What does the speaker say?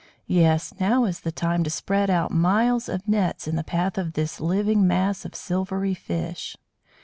Yes, now is the time to spread out miles of nets in the path of this living mass of silvery fish.